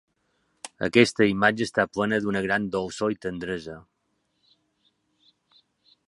Aquesta imatge està plena d'una gran dolçor i tendresa.